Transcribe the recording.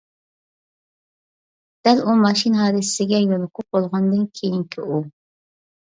دەل ئۇ ماشىنا ھادىسىسىگە يولۇقۇپ بولغاندىن كېيىنكى ئۇ!